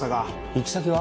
行き先は？